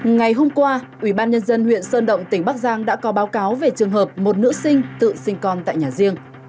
ngày hôm qua ubnd huyện sơn động tỉnh bắc giang đã có báo cáo về trường hợp một nữ sinh tự sinh con tại nhà riêng